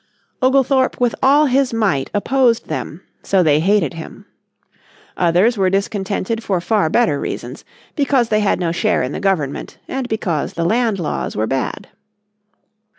Oglethorpe, with all his might, opposed them, so they hated him. Others were discontented for far better reasons: because they had no share in the government, and because the land laws were bad.